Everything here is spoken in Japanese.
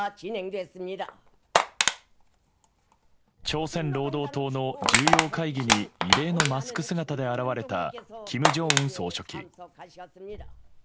朝鮮労働党の重要会議に異例のマスク姿で現れた金正恩総書記。